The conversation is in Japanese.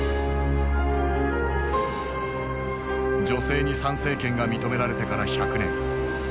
女性に参政権が認められてから百年。